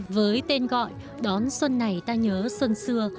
với tên gọi đón xuân này ta nhớ xuân xưa